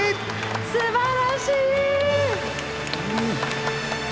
すばらしい！